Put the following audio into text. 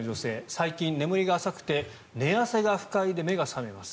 最近眠りが浅くて寝汗が不快で目が覚めます。